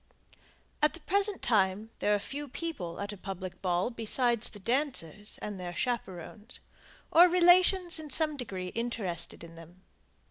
At the present time there are few people at a public ball besides the dancers and their chaperones, or relations in some degree interested in them.